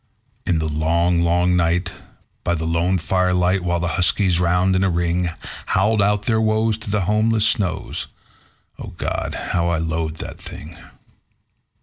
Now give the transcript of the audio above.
In the long, long night, by the lone firelight, while the huskies, round in a ring, Howled out their woes to the homeless snows O God! how I loathed the thing.